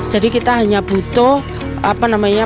jadi kita hanya butuh pompa